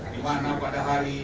dimana pada hari